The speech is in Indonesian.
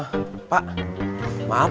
eh pak maaf